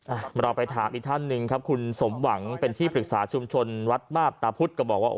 เราไปถามอีกท่านหนึ่งครับคุณสมหวังเป็นที่ปรึกษาชุมชนวัดมาบตาพุทธก็บอกว่า